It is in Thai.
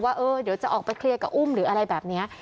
ว่าเออเดี๋ยวจะออกไปเคลียร์กับอุ้มหรืออะไรแบบนี้